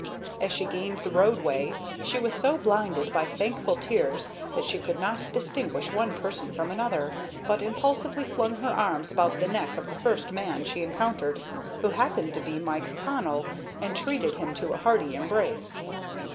As she gained the roadway, she was so blinded by thankful tears that she could not distinguish one person from another, but impulsively flung her arms about the neck of the first man she encountered, who happened to be Mike Connell, and treated him to a hearty embrace.